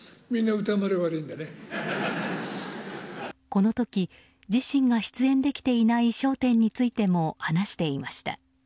この時、自身が出演できていない「笑点」についても話していました。